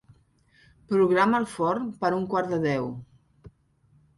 Programa el forn per a un quart de deu.